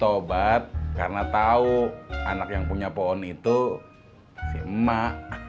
itu obat karena tau anak yang punya pohon itu si emak